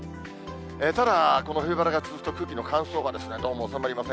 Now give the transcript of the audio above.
ただ、この冬晴れが続くと、空気の乾燥が、どうも収まりません。